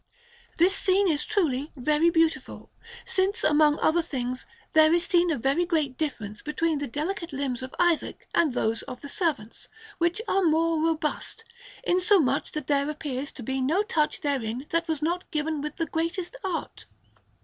This scene is truly very beautiful, since, among other things, there is seen a very great difference between the delicate limbs of Isaac and those of the servants, which are more robust; insomuch that there appears to be no touch therein that was not given with the greatest art.